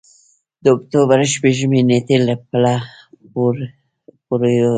د اکتوبر شپږمې نېټې له پله پورېوتم.